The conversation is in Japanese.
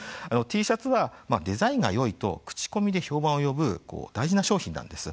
Ｔシャツはデザインがよいと口コミで評判を呼ぶ大事な商品なんです。